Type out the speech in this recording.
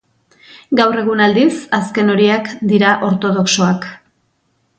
Gaur egun, aldiz, azken horiek dira ortodoxoak.